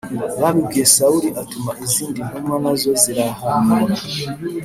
Babibwiye Sawuli atuma izindi ntumwa, na zo zirahanura.